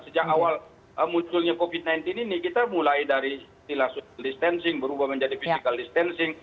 sejak awal munculnya covid sembilan belas ini kita mulai dari istilah social distancing berubah menjadi physical distancing